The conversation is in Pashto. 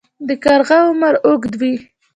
د کارغه عمر اوږد وي